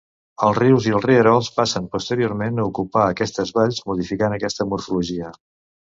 Els rius i els rierols passen, posteriorment, a ocupar aquestes valls, modificant aquesta morfologia.